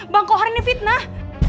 bang kohar ini fitnah